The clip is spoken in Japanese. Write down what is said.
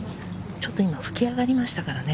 ちょっと今、吹き上がりましたからね。